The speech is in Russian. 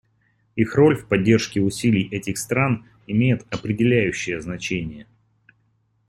Их роль в поддержке усилий этих стран имеет определяющее значение.